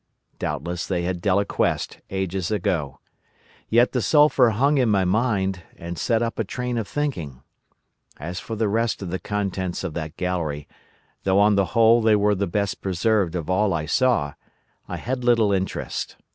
Doubtless they had deliquesced ages ago. Yet the sulphur hung in my mind, and set up a train of thinking. As for the rest of the contents of that gallery, though on the whole they were the best preserved of all I saw, I had little interest.